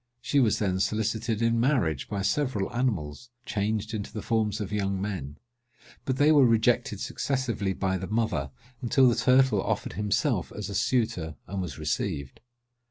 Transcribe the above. She was then solicited in marriage by several animals, changed into the forms of young men; but they were rejected successively by the mother, until the turtle offered himself as a suitor, and was received.